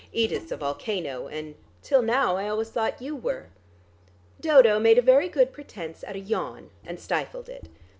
Edith's a volcano, and till now, I always thought you were." Dodo made a very good pretence at a yawn, and stifled it.